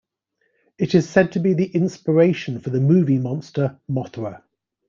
It is said to be the inspiration for the movie monster Mothra.